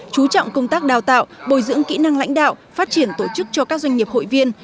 chú trọng công tác đào tạo bồi dưỡng kỹ năng lãnh đạo phát triển tổ chức cho các doanh nghiệp hội viên